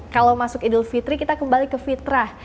kalau masuk idul fitri kita kembali ke fitrah